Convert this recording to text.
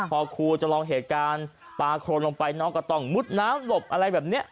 พอครูจะลองเหตุการณ์ปลาโครนลงไปน้องก็ต้องมุดน้ำหลบอะไรแบบนี้